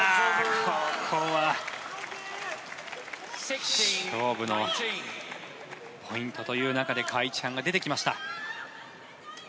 ここは勝負のポイントという中でカ・イチハンが出てきました。